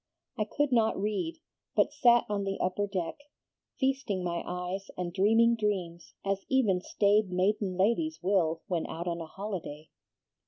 I could not read, but sat on the upper deck, feasting my eyes and dreaming dreams as even staid maiden ladies will when out on a holiday.